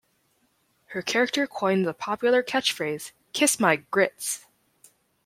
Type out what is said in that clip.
Her character coined the popular catchphrase Kiss my grits!